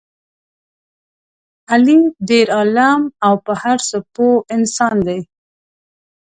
علي ډېر عالم او په هر څه پوه انسان دی.